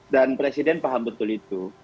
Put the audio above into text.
dan presiden paham betul itu